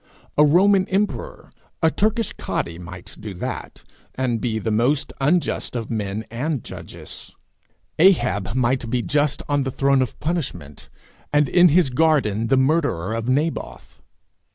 A Roman emperor, a Turkish cadi, might do that, and be the most unjust both of men and judges. Ahab might be just on the throne of punishment, and in his garden the murderer of Naboth.